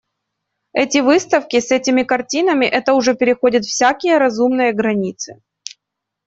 Эти выставки с этими картинами, это уже переходит всякие разумные границы.